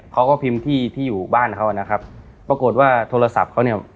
เขาก็พิมพ์ที่ที่อยู่บ้านเขานะครับปรากฏว่าโทรศัพท์เขาเนี่ย